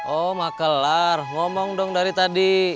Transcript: oh makelar ngomong dong dari tadi